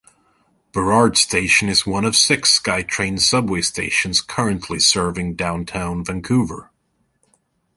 Burrard station is one of six SkyTrain subway stations currently serving Downtown Vancouver.